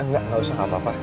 enggak gak usah kak apa apa